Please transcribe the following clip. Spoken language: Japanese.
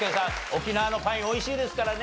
沖縄のパイン美味しいですからね。